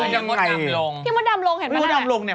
ใช่ก็ไปลงยังไง